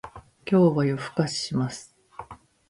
今日は夜更かしします